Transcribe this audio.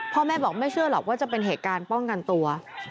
พ่อแม่บอกไม่เชื่อหรอกว่าจะเป็นเหตุการณ์ป้องกันตัว